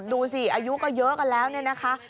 ดูสิอายุก็เยอะกันแล้วเนี่ยนะคะ